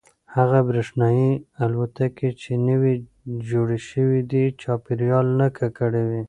هغه برېښنايي الوتکې چې نوې جوړې شوي دي چاپیریال نه ککړوي.